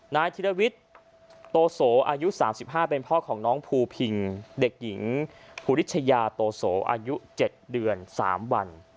ธิรวิทย์โตโสอายุ๓๕เป็นพ่อของน้องภูพิงเด็กหญิงภูริชยาโตโสอายุ๗เดือน๓วัน